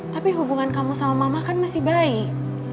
tapi hubungan kamu sama mama kan masih baik